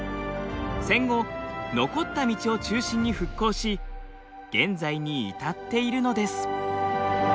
戦後残った道を中心に復興し現在に至っているのです。